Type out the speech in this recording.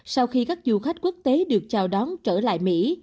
sau khi các du khách quốc tế được chào đón trở lại mỹ